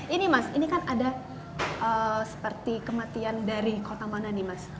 ini mas ini kan ada seperti kematian dari kota mana nih mas